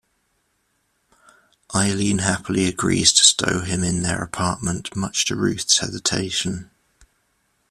Eileen happily agrees to stow him in their apartment, much to Ruth's hesitation.